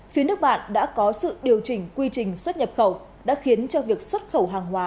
phía nước bạn đã có sự điều chỉnh quy trình xuất nhập khẩu đã khiến cho việc xuất khẩu hàng hóa